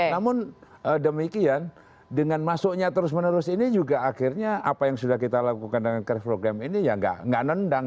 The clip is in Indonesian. namun demikian dengan masuknya terus menerus ini juga akhirnya apa yang sudah kita lakukan dengan craft program ini ya nggak nendang